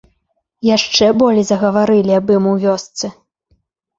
Яшчэ болей загаварылі аб ім у вёсцы.